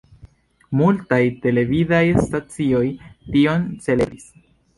Multaj televidaj stacioj tion celebris.